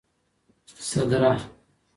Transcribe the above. سدره